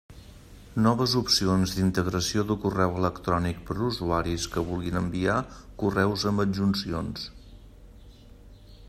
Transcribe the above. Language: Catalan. Noves opcions d'integració de correu electrònic per usuaris que vulguin enviar correus amb adjuncions.